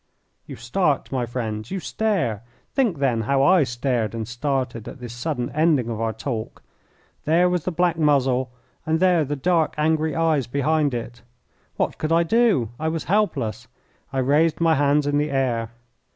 You start, my friends! You stare! Think, then, how I stared and started at this sudden ending of our talk. There was the black muzzle and there the dark, angry eyes behind it. What could I do? I was helpless. I raised my hands in the air.